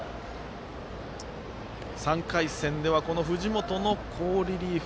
３回戦では藤本の好リリーフ。